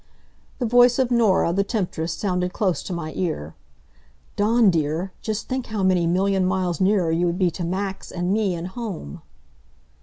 The voice of Norah, the temptress, sounded close to my ear. "Dawn dear, just think how many million miles nearer you would be to Max, and me, and home."